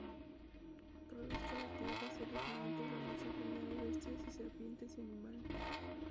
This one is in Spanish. Produzca la tierra seres vivientes según su género, bestias y serpientes y animales.